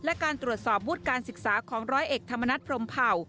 และการตรวจสอบวุฒิการศึกษาของร้อยเอกธรรมนัฐพรมเผ่า